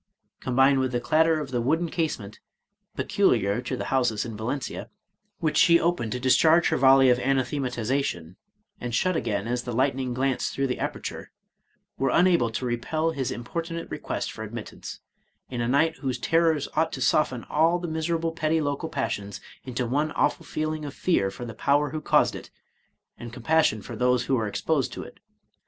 — combined with the clat ter of the wooden casement (peculiar to the houses in Valencia) which she opened to discharge her volley of anathematization, and shut again as the lightning glanced through the aperture, were unable to repel his importunate request for admittance, in a night whose terrors ought to soften all the miserable petty local passions into one awful feeling of fear for the Power who caused it, and compas sion for those who were exposed to it.